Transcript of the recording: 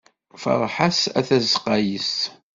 Ferḥ-as a tazeqqa yes-s.